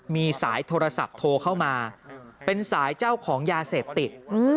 มีสายโทรศัพท์โทรเข้ามาเป็นสายเจ้าของยาเสพติด